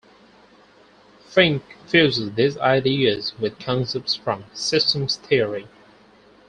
Finke fuses these ideas with concepts from systems theory.